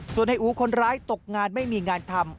ส่วนในอู๋คนร้ายตกงานไม่มีงานทำ